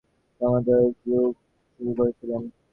তিনি চিরায়ত নিয়ম ভেঙে একেবারে সম্ভাব্যতার নতুন যুগ শুরু করেছিলেন।